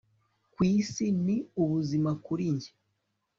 kwisi, ni ubuzima kuri njye